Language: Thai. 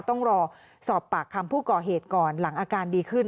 ต้องรอสอบปากคำผู้ก่อเหตุก่อนหลังอาการดีขึ้น